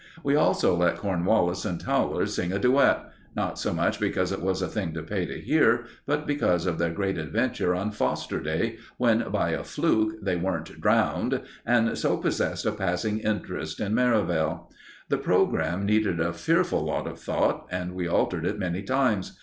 We also let Cornwallis and Towler sing a duet not so much because it was a thing to pay to hear, but because of their great adventure on Foster Day, when by a fluke they weren't drowned, and so possessed a passing interest in Merivale. The programme needed a fearful lot of thought, and we altered it many times.